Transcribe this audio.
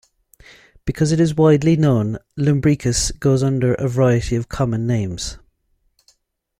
Because it is widely known, "Lumbricus" goes under a variety of common names.